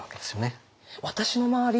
私の周り